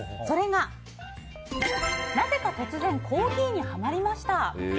それが、なぜか突然コーヒーにハマりました。